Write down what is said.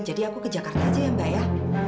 jadi aku ke jakarta aja ya mbak ya